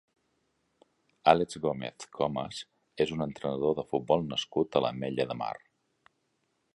Àlex Gómez Comes és un entrenador de futbol nascut a l'Ametlla de Mar.